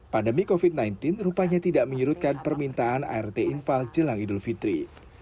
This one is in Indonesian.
pandemi covid sembilan belas rupanya tidak menyerutkan permintaan art infal jelang idul fitri